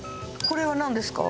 これはなんですか？